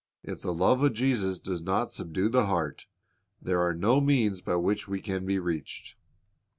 If the love of Jesus does not subdue the heart, there are no means by which we can be reached.